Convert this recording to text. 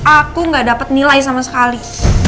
aku gak dapat nilai sama sekali